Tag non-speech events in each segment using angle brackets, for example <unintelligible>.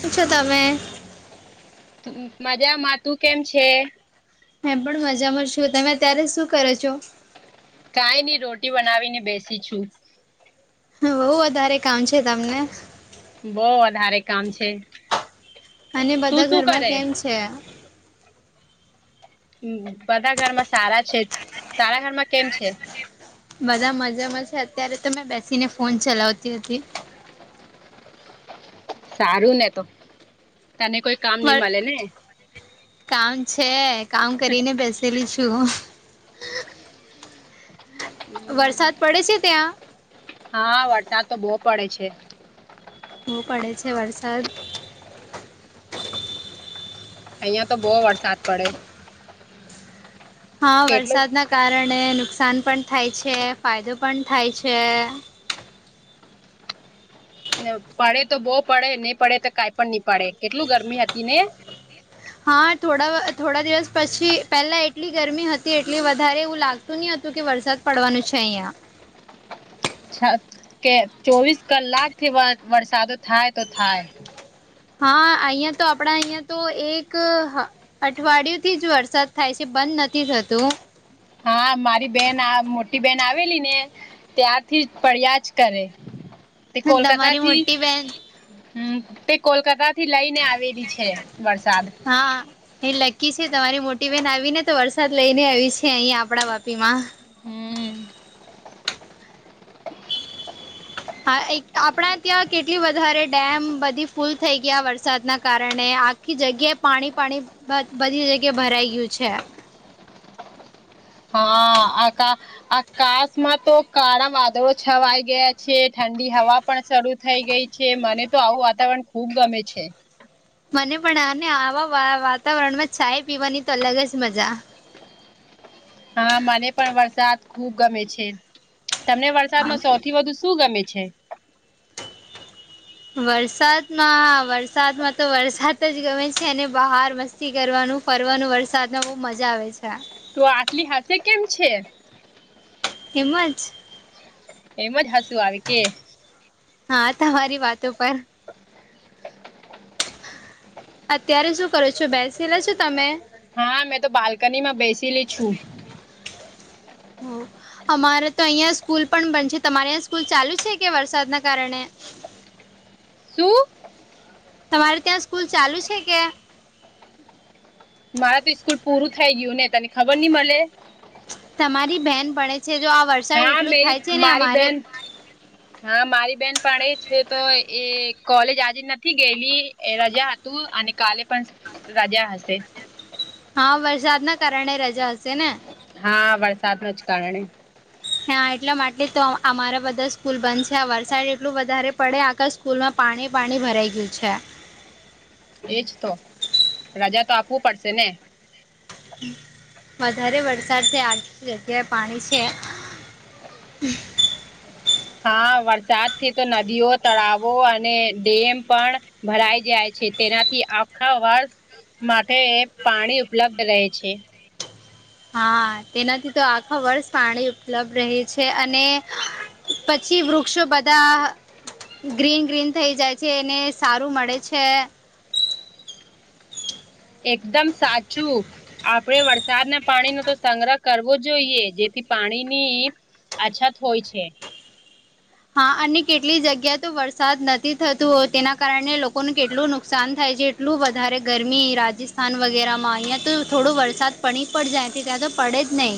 પૂછો તમે? માજા મા તું કેમ છે? હ પણ મજામાં છું તમે અત્યારે શું કરો છો? કાઈ નની રોટી બનાવી ને બેસી છું. બહુ વધારે કામ છે તમને. બહુ વધારે કામ છે, અને તું બધા શું ઘરમાં કરે? કેમ છે. હમ બધા ઘરમાં સારા છે, સારા ઘરમાં કેમ છે? બધા મજામાં છે અત્યારે તો મેં બેસીને ફોન ચલાવતી હતી. સારું ને તો, તને કોઈ કામ નઈ પણ મળે ને? કામ છે કામ કરીને બેસેલીઈશું. વરસાદ પડે છે ત્યાં? હા વરસાદ તો બહુ પડે છે. હોવું પડે છે વરસાદ. અહિયાં તો બહુ વરસાદ પડે. હા કેટલું વરસાદના કારણે નુકસાન પણ થાય છે ફાયદો પણ થાય છે. પડે તો બહુ પડે નહી પડે તો કાઈ પણ નહી પડે કેટલું ગરમી હતી ને. હા થોડા થોડા દિવસ પછી પેલા એટલી ગરમી હતી એટલી વધારે એવું લાગત શું ની હતું કે વરસાદ પડવાનું છે અહિયાં. છ કે ચોવીસ કલાક થી વ વરસાદો થાય તો થાય. હા અહિયાં તો આપણા અહિયાં તો એક અઠવાડિયું થી જ વરસાદ થાય છે બંધ નથી થતું. હા મારી બેન આ મોટી બેહેન આવેલી ને. ત્યારથી પડ્યા જ કરે, તે કોલકાતા તમારી થી મોટી બેહેન હમ તે કોલકાતા થી લઈને આવેલી છે વરસાદ. હા. એ લકી છે તમારી મોટી બહેન આવી ને તો વરસાદ લઈ ને આવી છે અહીયા આપડા વાપી માં. હમ. હા એક આપણા ત્યાં કેટલી વધારે ડેમ બધી ફૂલ થઈ ગયા વરસાદના કારણે, આ ખી જગ્યાએ પાણી પાણી બધી જગ્યા ભરાઈ ગયું છે. હા આકા આકાશમાં તો કાળા વાદળો છવાઈ ગયા છે ઠંડી હવા પણ શરૂ થઈ ગઈ છે મને તો આવું વાતાવરણ ખુબ ગમે છે. મને પણ આને આવા વા વાતાવરણમાં ચાય પીવાની તો અલગ જ મજા. હા મને પણ વરસાદ ખુબ ગમે છે. તમને આમ વરસાદમાં સૌથી વધુ શું ગમે છે? વરસાદમાં વરસાદમાં તો વરસાદ જ ગમે છે અને બહાર મસ્ તી કરવાનું ફરવાનું વરસાદમાં બહુ મજા આવે છે. તો આટલી હસે કેમ છે? એમ જ. એમજ હસુ આવે કે. હા તમારી વાતો પર અત્યારે શું કરો છો બેસેલા છો તમે? હા મેં તો બાલ્કની માં બેસીલી છું. હ. અમારે તો અહિયાં સ્કૂલ પણ બન છે, તમારે અહીંયા સ્કૂલ ચાલુ છે કે વરસાદના કારણે? <unintelligible> શું? તમારે ત્યાં સ્કૂલ ચાલુ છે કે? મારા તો સ્કૂલ પૂરું થઈ ગયું ને તને ખબર નઈ મળે. તમારી બેન ભણે છે જો આ વર્ષ હા મેરી મારી બેન હા મારી બેન ભણે છે તો એ કોલેજ આજે નથી ગયેલી એ રજા હતું અને કાલે પણ રજા હશે. હા વરસાદ ના કારણે રજા હશે ને. હા વરસાદ નુ જ કારણે હા એટલા માટે તો અમારા બધા સ્કૂલ બંધ છે આ વરસાડ એટલું વધારે પડે આખા સ્કૂલમાં પાણી પાણી ભરાઈ ગયું છે. એજ તો રજા તો આપવું પડશે ને. વધારે વરસાદ છે, આજ જગ્યાએ પાણી છે. હા વરસાદથી તો નદીઓ તળાવો અને ડેમ પણ ભરાઈ જાય છે, તેનાથી આખા વર્ષ માટે પાણી ઉપલબ્ધ રહે છે. હા તેનાથી તો આખા વર્ષ પાણી ઉપલબ્ધ રહે છે, અને પછી વૃક્ષો બધા ગ્રીન ગ્રીન થઇ જાય છે, એને સારું મળે છે. <inaudible> એકદમ સાચું આપ આપણે વરસાદના પાણીનો તો સંગ્રહ કરવો જોઈએ જેથી પાણીની અછાત હોય છે. હા અને કેટલી જગ્યા તો વરસાદ નથી થતોતુ હો તેના કારણે લોકોને કેટલું નુકસાન થાય છે. એટલું વધારે ગરમી રાજસ્થાન વગેરે માં અહીંયા તો થોડો વરસાદ પડી પડ જાય <unintelligible> તો પડે જ નય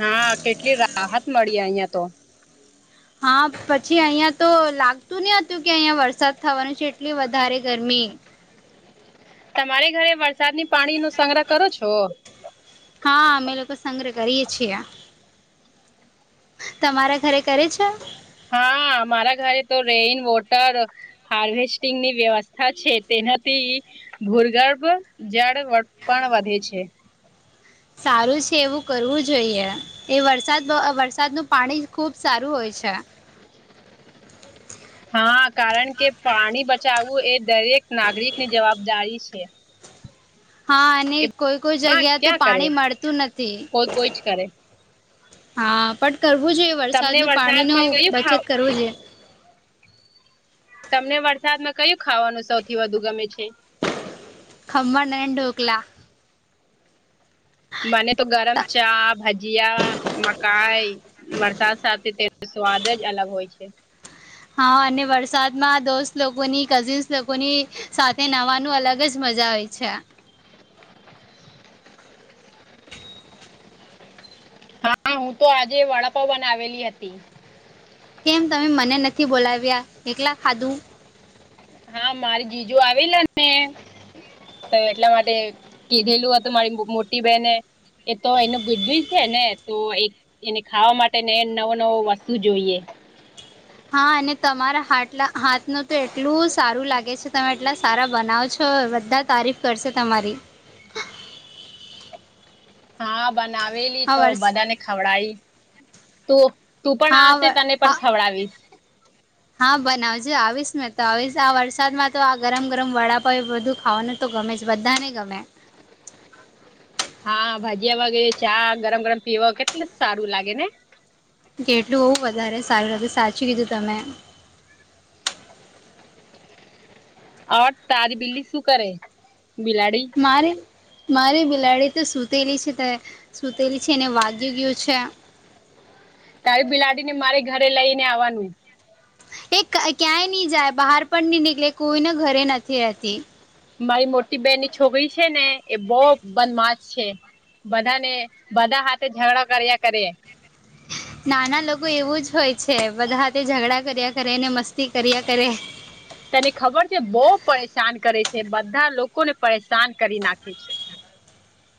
હા કેટલી રાહત મળી અહિયાં તો હા પછી અહિયાયા તો લાગતું નહ હતું કે અહિયાંયા વરસાદ થવાનું છે એટલી વધારે ગરમી તમારે ઘરે વરસાદની પાણી નો સંગ્રહ કરો છો? હા અમે લોકો સંગ્રહ કરીએ છીએ તમારા ઘરે કરે છે. હા મારા ઘરે તો રેઇન વોટર હાર્વેસ્ટિંગ ની વ્યવસ્થા છે તેનાથી ભૂગર્ભ જળ પણ વધે છે. સારું છે એવું કરવું જોઈએ એ વરસાદ વરસાદનું પાણી ખુબ સારું હોય છે. હા કારણ કે પાણી બચાવવું એ દરેક નાગરિક ની જવાબદારી છે. હા અને એ કોઈ કોઈ બધા જગ્યા તો ક્યાં કરે પાણી મળતું નથી કોઈ કોઈ જ કરે હા પણ કરવું જોઈએ વરસાદ તમને નુ પાણી નુ વરસાદમાં કયું બચત ખાવ કરવું જોઈએ તમને વરસાદમાં કયું ખાવાનું સૌથી વધુ ગમે છે. ખમણ નાને એ ડોકલા મને તો ગરમ ચા ભજીયા મકાઈ વરસાદ સાથે તે સ્વાદે જ અલગ હોય છે. હા અને વરસાદમાં દોસ્ત લોકોની કઝિન્સ લોકોની સાથે નવાનું અલગ જ મજા હોય છે. હા હું તો આજે વડાપવન આવેલી હતી કેમ તમે મને નથી બોલાવ્યા એકલા ખાધું હા મારી જીજુ આવી લ ને તો એટલા માટે કીધેલું હતું મારી મોટી બેહેને એ તો એનું ગુડું છે ને તો એક એને ખાવા માટે ને નવો નવો વસ્તુ જોઈએ. હા અને તમારા હાટલા હાથનું તો એટલું સારું લાગે છે તમે એટલા સારા બનાવો છો બધા તારીફ કરશે તમારી હા બનાવેલી હા તો વર્ષ બધાને ખવડાયી તું તું પણ હા આવશે વ તને હા પણ ખવડાવીશ હા બનાવજે આવીશ ને તો આવીશ આ વરસાદમાં તો આ ગરમ ગરમ વડાપાય એ બધું ખાવાુંનુ તો ગમે છે, બધાને ગમે હા ભાજીિયા વગેરે ચા ગરમ ગરમ પીવા કેટલું સારું લાગે ને કેટલું હોઉવું વધારે સારુંત સાચું કીધું તમે. હ તારી બીલી શું કરે બિલાડી. મારે મારે બિલાડી તો સૂતેલી છે તે સૂતેલી છે એને વાગી ગયું છે. તારી બિલાડી ને મારે ઘરે લઈ ને આવવાનું એ ક્યાંય નહી જાય બહાર પણ નહી નીકળે કોઈને ઘરે નથી રહેતી. મારી મોટી બેહેન ની છોકરી છે ને એ બહ બદમાશ છે. બધા ને બધા હાથે ઝઘડા કર્યા કરે નાના લોકો એવું જ હોય છે, બધા તે ઝઘડા કર્યા કરે ને મસ્તી કર્યા કરે તેને ખબર છે બહુ પરેશાન કરે છે, બધા લોકોને પરેશાન કરી નાખે છે.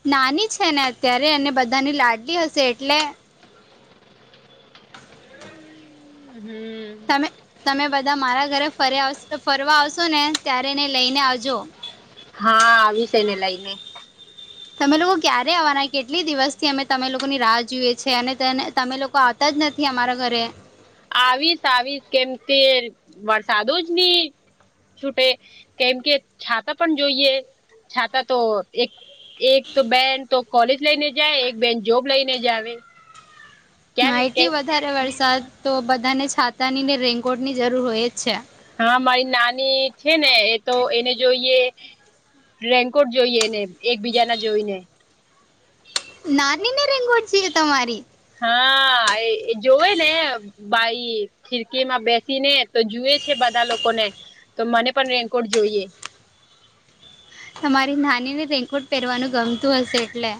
નાની છે ને, અત્યારે અને બધાની લાડલી હશે એટલે હમ તમે તમે બધા મારા ઘરે ફરે ફરવા આવશો ને ત્યારે એને લઈને આવજો હા આવી છે એને લઈને. તમે લોકો ક્યારે આવવાના કેટલી દિવસ થી અમે તમે લોકોની રાહ જોઈએ છે અનેને તમે લોકો જ નથી અમારા ઘરે આવીશ આવીશ કેમ તે વરસાદોજ નહી. છૂટે કેમ કે છાતાં પણ જોઈએ છાતાં તો એક એક તો બેન તો કોલેજ લઈને જાય એક બેન જોબ લઈને જ આવે. હા ક્યારે કે એટલી વધારે વરસાદ તો બધાને છાતાની ને રેનકોટની જરૂર હોય જ છે. હા મારી નાની છે ને એ તો એને જોઈએ રેન્કોટ જોઈએ ને એકબીજા ના જોઈને. નાની ને રેંગોઠ છેએ તમારી હા એ જોવે ને ભઈ ખીડકી માં બેસી ને તો જુએ છે બધા લોકો ને. તો મને પણ રેનકોટ જોઈએ. તમારી નાની ને રેંકોટ પહેરવાનું ગમતું હશે એટલે.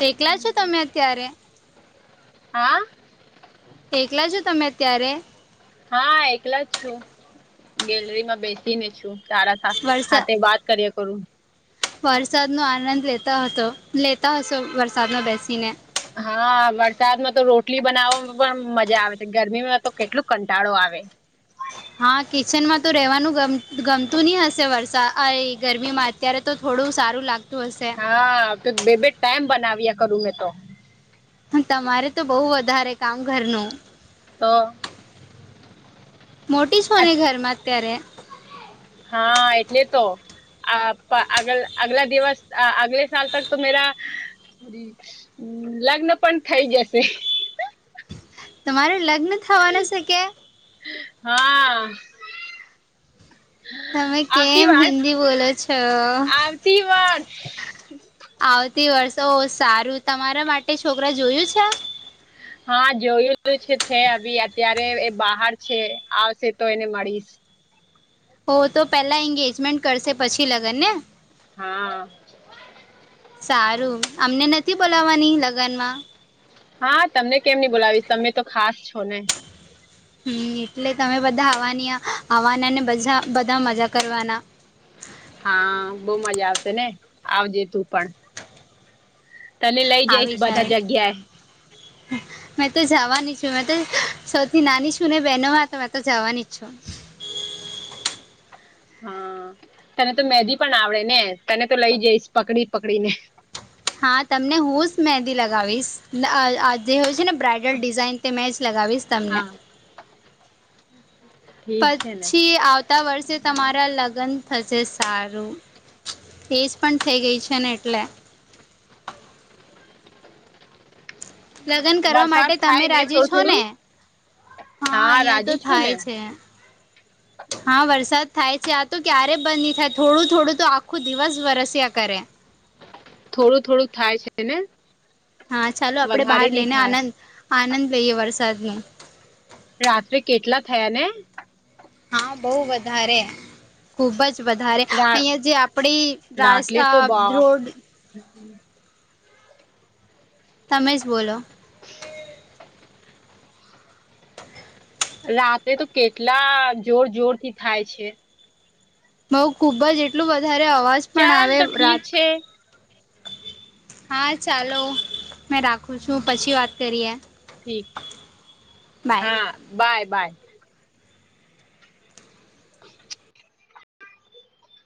એકેકલા છો તમે અત્યારે. હા. એકલા છો તમે અત્યારે હા એકલા જ છું ગેલરીમાં બેસી ને છું સારા હા હા તે વાત કરીએ કરું વરસાદ નો આનંદ લેતા હતો લેતા હશો વરસાદમાં બેસી ને હા વરસાદમાં તો રોટલી બનાવવામાં પણ મજા આવે છે ગરમીમાં તો કેટલું કંટાળો આવે હા કિચનમાં તો રહેવાનું ગમતું નહી હશે વરસાદ આ ગરમીમાં. અત્યારે તો થોડું સારું લાગતું હશે હા તો બે બે ટાઈમ બનાવ્યા કરું મેં તો. તમારે તો બહુ વધારે કામ ઘરનુ હ મોટી જ હોને ઘરમાં અત્યારે હા એટલે તો. અ અગ અગલા દિવસ અગલે સ તક તો મેરા. લગ્ન પણ થઇ જશે. તમારે લગ્ન થવાનું છે કે. હા. તમે આવતી કેમ વર્ષ હિન્દી બોલો છો. આવતી વર્ષ આવતી વર્ષ ઓ સારું તમારા માટે છોકરા જોયું છે. હા જોયું છે હ અત્યારે એ બહાર છે આવશે તો એને મળીશ. હો તો પેલા એંગેજમેન્ટ કરશે પછી લગન ને. હા. સારું અમને નથી બોલાવાની લગ્ન માં. હા તમને કેમ નહી બોલાવીશ તમે તો ખાસ છો ને. હમ એટલે તમે બધા આવવાની આવવાના ને બધા બધા મજા કરવાના. હા બહુ મજા આવશે ને આવજે તું પણ. તને લઈ જઈશ બધા જગ્યાએ. હમ. મેં તો જવાની છું મેં તો સૌથી નાની છું ને બહેનોમાં તો મેં તો જવાની જ છું. હા તને તો મેંદ પણ આવડે ને તને તો લઈ જઈશ પકડી પકડીને. હા તમને હું જ મહેંદી લગાવીશ જે હોય છે ને બ્રઇડલ ડિઝાઇન તે મેં જ લગાવીશ. તમને. હા ઠીક છે ને પછી આવતા વર્ષે તમારા લગ્ન થશે સારું. એજ પણ થઈ ગઈ છે ને એટલે લગન કરવા વરસાદ માટે તમે થાય ને રાજી થોડું છો ને. થોડું હા અહિયાં તો રાજી છું ને થાય છે. હા વરસાદ થાય છે આ તો ક્યારે બંધ થાય થોડું થોડું તો આખું દિવસ વરસ્યા કરે. થોડું થોડું થાય છે ને. હા ચાલો આપણેે બહાર વધારે નહી લઈને થાય આનંદ આનંદ લહીએ વરસાદનો. રાત્રે કેટલા થયા ને. હા બવુ વધારે. ખુબ જ વધારે અહીં જે આપડી રાસ રાટલે તો બ રોડ. <inaudible> તમે જ બોલો. રાત્રે તો કેટલા જોર જોર થી થાય છે. બઉ ખુબ જ એટલું વધારે અવાજ પણ ચાલ આવે તો ઠીક રાત. છે હા ચાલો મેં રાખું છું પછી વાત કરીએ. ઠીક બાય હા બાય બાય.